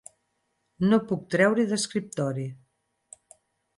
No puc treure d'escriptori.